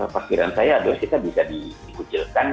pikiran saya adalah kita bisa dikucilkan